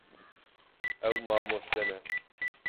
Ew mamoste ne.